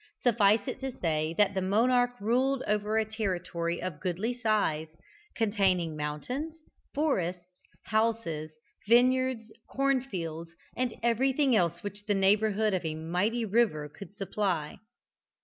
Suffice it to say that the monarch ruled over a territory of goodly size, containing mountains, forests, houses, vineyards, cornfields, and everything else which the neighbourhood of a mighty river could supply.